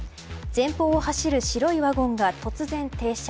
前方を走る白いワゴンが突然停車。